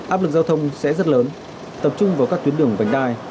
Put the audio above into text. áp lực giao thông sẽ rất lớn tập trung vào các tuyến đường vành đai